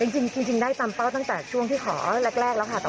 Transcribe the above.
จริงได้ตามเป้าตั้งแต่ช่วงที่ขอแรกแล้วค่ะ